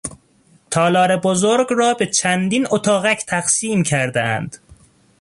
تالار بزرگ را به چندین اتاقک تقسیم کردهاند.